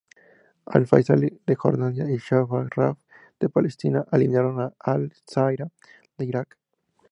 Al-Faisaly de Jordania y Shabab Rafah de Palestina eliminaron a Al-Zawra de Irak.